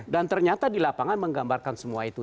dan ternyata di lapangan menggambarkan semua itu